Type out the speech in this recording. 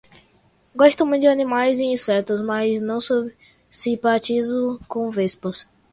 Gosto muito de animais e insetos, mas não simpatizo com as vespas.